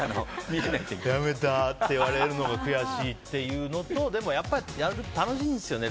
やめたって言われるのが悔しいというのと、でもやっぱりやると楽しいんですよね。